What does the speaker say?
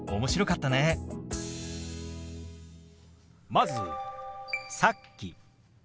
まず「さっき」。